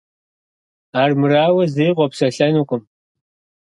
Армырауэ, зыри къопсэлъэнукъым.